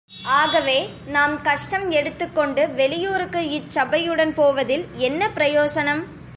ஆகவே நாம் கஷ்டம் எடுத்துக் கொண்டு வெளியூருக்கு இச்சபையுடன் போவதில் என்ன பிரயோசனம்?